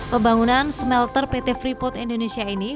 pembangunan smelter pt freeport indonesia ini